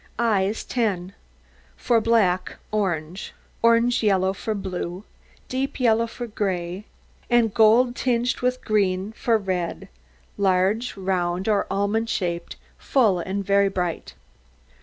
EYES 10 For black, orange; orange yellow for blue; deep yellow for gray; and gold, tinged with green, for red; large, round, or almond shaped, full and very bright.